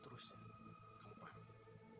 terima kasih bu